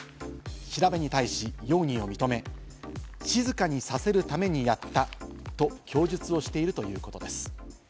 調べに対し容疑を認め、静かにさせるためにやったと供述をしているということです。